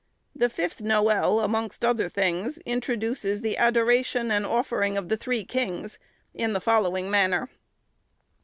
The fifth noël, amongst other things, introduces the adoration and offering of the Three Kings, in the following manner.